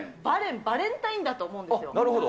バレン、バレンタインだと思うんですよ。